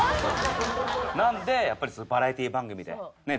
なのでやっぱりバラエティ番組でわからん！